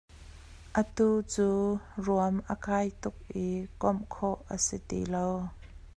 Atu cu ruam a kai tuk i komh khawh a si ti lo.